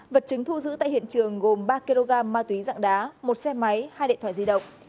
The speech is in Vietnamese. vật chứng thu giữ tại hiện trường gồm ba kg ma túy dạng đá một xe máy hai điện thoại di động